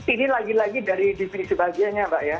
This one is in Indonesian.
ini lagi lagi dari definisi bahagianya mbak ya